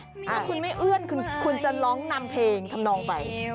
ถ้าคุณไม่เอื้อนคุณจะร้องนำเพลงทำนองไป